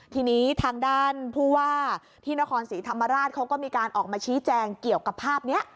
ทีนี้ทางด้านผู้ว่าที่นครศรีธรรมราชเขาก็มีการออกมาชี้แจงเกี่ยวกับภาพนี้